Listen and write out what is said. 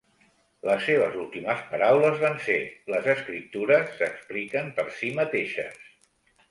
Les seves últimes paraules van ser "Les escriptures s'expliquen per si mateixes".